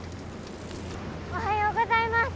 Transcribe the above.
おはようございます。